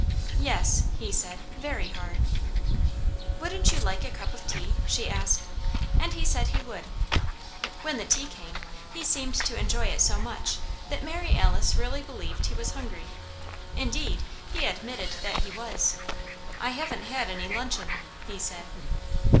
"Yes," he said, "very hard." "Wouldn't you like a cup of tea?" she asked. And he said he would. When the tea came, he seemed to enjoy it so much that Mary Alice really believed he was hungry. Indeed, he admitted that he was. "I haven't had any luncheon," he said.